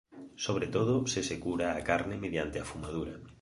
Sobre todo se se cura a carne mediante afumadura.